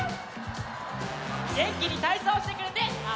げんきにたいそうしてくれてありがとう！